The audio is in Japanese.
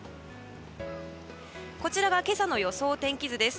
こちらは今朝の予想天気図です。